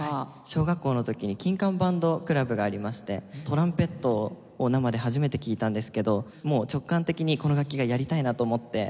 小学校の時に金管バンドクラブがありましてトランペットを生で初めて聴いたんですけどもう直感的にこの楽器がやりたいなと思って始めました。